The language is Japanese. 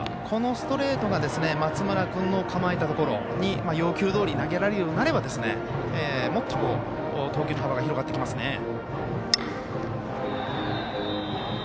このストレートが松村君の構えたところに要求どおり投げられるようになればもっと投球の幅が広がってきますね。